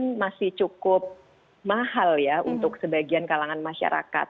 dan masih cukup mahal ya untuk sebagian kalangan masyarakat